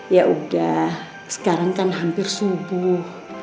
ya udah sekarang kan hampir subuh